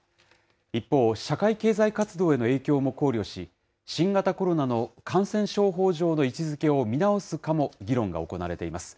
一方、社会経済活動への影響も考慮し、新型コロナの感染症法上の位置づけを見直すかも、議論が行われています。